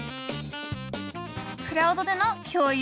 クラウドでの共有。